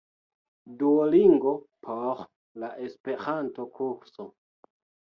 Duolingo por la Esperanto-kurso